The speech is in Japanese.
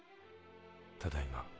ただいま。